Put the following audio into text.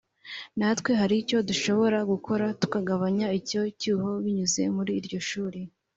natwe hari icyo dushobora gukora tukagabanya icyo cyuho binyuze muri iryo shuri”